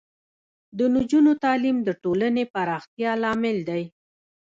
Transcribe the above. د نجونو تعلیم د ټولنې پراختیا لامل دی.